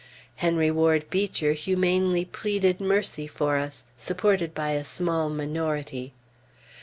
Henry Ward Beecher humanely pleaded mercy for us, supported by a small minority.